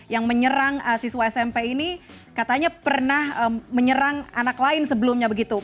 yang menyerang siswa smp ini katanya pernah menyerang anak lain sebelumnya begitu